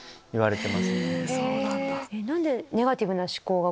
そうなんだ。